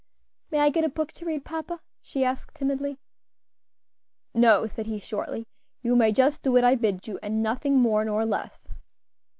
"May I get a book to read, papa?" she asked timidly. "No," said he shortly. "You may just do what I bid you, and nothing more nor less."